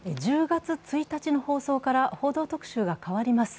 １０月１日の放送から「報道特集」が変わります。